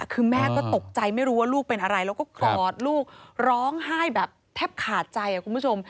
คือแม่ก็ตกใจไม่รู้ว่าลูกเป็นอะไรแล้วก็กอดลูกร้องไห้แบบแทบขาดใจคุณผู้ชม